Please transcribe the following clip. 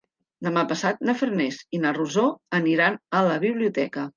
Demà passat na Farners i na Rosó aniran a la biblioteca.